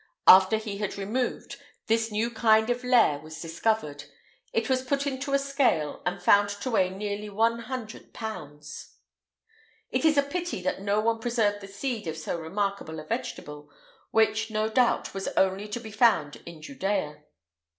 After he had removed, this new kind of lair was discovered; it was put into a scale, and found to weigh nearly one hundred pounds.[IX 162] It is a pity that no one preserved the seed of so remarkable a vegetable, which no doubt was only to be found in Judea.